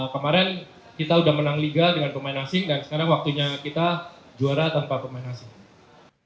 kemarin kita udah menang liga dengan pemain asing dan sekarang waktunya kita juara tanpa pemain asing